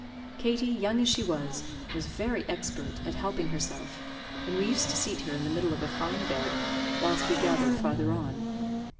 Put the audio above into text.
Katie, young as she was, was very expert at helping herself, and we used to seat her in the middle of a fine bed, whilst we gathered farther on.